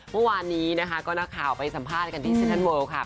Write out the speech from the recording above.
เมื่อวานนี้นะคะก็นักข่าวไปสัมภาษณ์กันที่เซ็นทรัลเวิลค่ะ